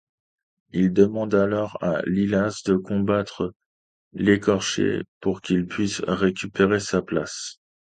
Il demande alors à Lilas de combattre l’Écorché pour qu’il puisse récupérer sa place.